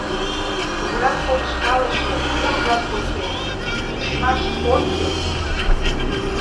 — Кугурак полышкалыше, ур-влак почеш — тичмаш ончык!